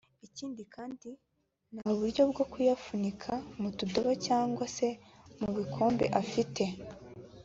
Ikindi kandi nta buryo bwo kuyapfunyika mu tudobo cyangwa se mu bikombe afite